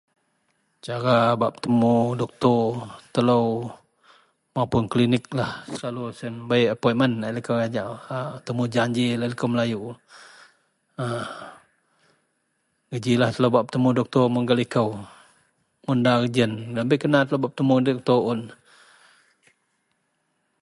Cara bak betemu doktor telo mapun kelinik lah selalu siyen bei apoinmen liko ajau temujanji liko melayu ..aa.. geji lah teo bak betemu doktor mun gak liko mun da giyen da kena telo bak betemu doktor un.